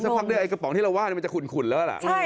คือสักพักด้วยกระป๋องที่เราว่ามันจะขุ่นแล้วล่ะ